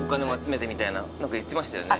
みたいな何か言ってましたよね